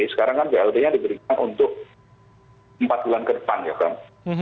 sekarang kan bld nya diberikan untuk empat bulan ke depan ya kan